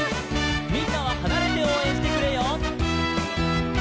「みんなははなれておうえんしてくれよ」